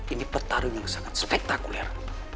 ini petarung yang sangat spektakuler